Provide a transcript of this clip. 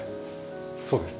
そうですね